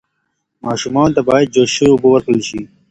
ماشومانو ته باید جوش شوې اوبه ورکړل شي.